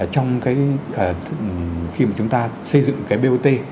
trong khi mà chúng ta xây dựng cái bot